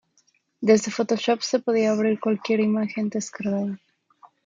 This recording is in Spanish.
Desde Photoshop se podía abrir cualquier imagen descargada.